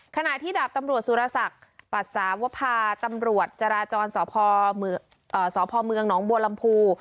ขณะที่ดาบตำรวจสุรษักษ์ปรัสสาวภาษณ์ตำรวจจาราจรสอพอเมืองน้องบวนลำพู